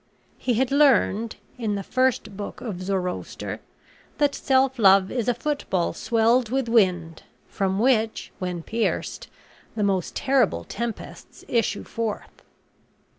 He had learned, in the first book of Zoroaster, that self love is a football swelled with wind, from which, when pierced, the most terrible tempests issue forth.